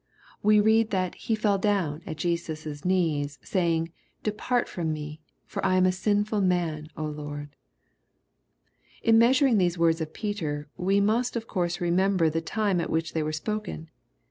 We read that " he feU down at Jesus' knees, saying, depart from me ; for I am a sinful man, Lord.'' In measuring these words of Peter, we must of course remember the time at which they were spoken.